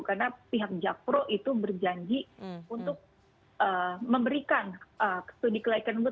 karena pihak jakpro itu berjanji untuk memberikan studi kelayakan itu